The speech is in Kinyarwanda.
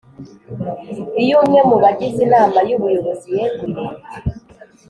Iyo umwe mu bagize inama y ubuyobozi yeguye